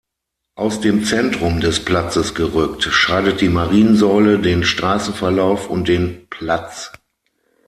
Aus dem Zentrum des Platzes gerückt scheidet die Mariensäule den Straßenverlauf und den Platz.